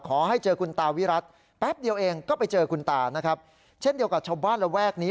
ขอให้เจอคุณตาวิรัติแป๊บเดียวเองก็ไปเจอคุณตานะครับเช่นเดียวกับชาวบ้านระแวกนี้